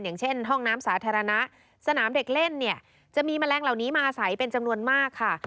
อย่างเช่นห้องน้ำสาธารณะสนามเด็กเล่นเนี่ยจะมีแมลงเหล่านี้มาอาศัยเป็นจำนวนมากค่ะ